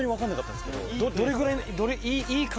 どれぐらい？